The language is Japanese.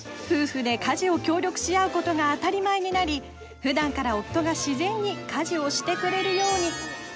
夫婦で家事を協力し合うことが当たり前になりふだんから夫が自然に家事をしてくれるように。